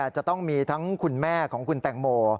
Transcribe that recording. จะต้องมีทั้งคุณแม่ของคุณแตงโม